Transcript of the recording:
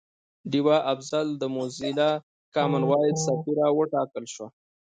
ډیوه افضل د موزیلا کامن وایس سفیره وټاکل شوه